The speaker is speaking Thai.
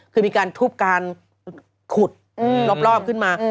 คือมีการทุบการขุดรอบขึ้นมา